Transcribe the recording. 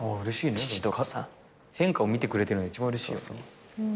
変化を見てくれてるのが一番うれしいよね。